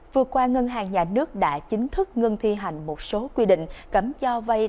vừa qua ngân hàng nhà nước đã chính thức ngân thi hành một số quy định cấm do vay